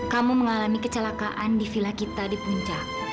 kamu mengalami kecelakaan di villa kita di puncak